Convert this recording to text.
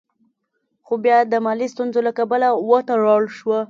خو بيا د مالي ستونزو له کبله وتړل شوه.